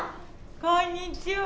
こんにちは。